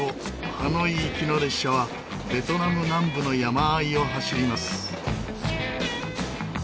ハノイ行きの列車はベトナム南部の山あいを走ります。